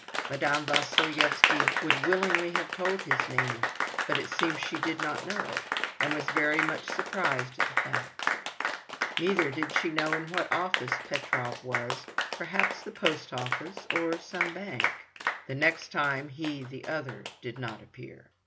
Madame Vasilyevsky would willingly have told his name, but it seems she did not know it, and was very much surprised at the fact. Neither did she know in what office Petrov was, perhaps the post office or some bank. The next time he, the other, did not appear.